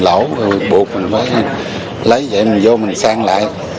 lỗi rồi buộc mình phải lấy vậy mà